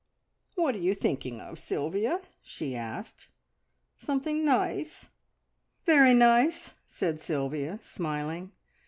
"What are you thinking of, Sylvia?" she asked. "Something nice?" "Very nice!" said Sylvia, smiling.